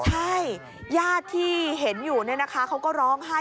ใช่ญาติที่เห็นอยู่เนี่ยนะคะเขาก็ร้องไห้